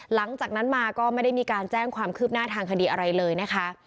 หลังจากนั้นมาก็ไม่ได้มีการแจ้งความคืบหน้าทางคดีอะไรเลยนะคะ